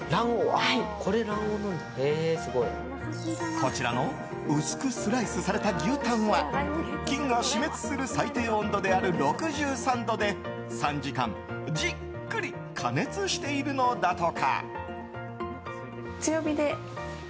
こちらの薄くスライスされた牛タンは菌が死滅する最低温度である６３度で３時間じっくり加熱しているのだとか。